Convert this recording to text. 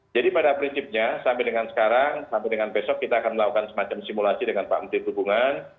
jadi pada prinsipnya sampai dengan sekarang sampai dengan besok kita akan melakukan semacam simulasi dengan pak menteri perhubungan